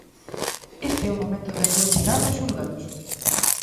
Este é o momento da súa chegada aos xulgados.